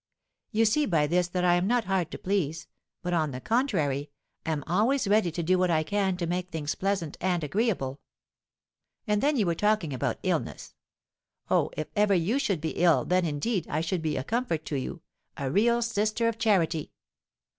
You see by this that I am not hard to please, but, on the contrary, am always ready to do what I can to make things pleasant and agreeable. And then you were talking about illness. Oh, if ever you should be ill, then, indeed, I should be a comfort to you, a real Sister of Charity!